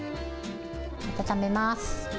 温めます。